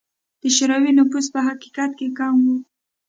د شوروي نفوس په حقیقت کې کم و.